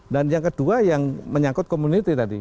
dan yang kedua yang menyangkut community tadi